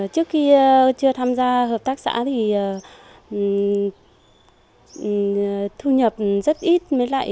trước khi chưa tham gia hợp tác xã thì thu nhập rất ít